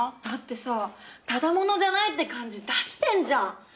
だってさただ者じゃないって感じ出してんじゃん！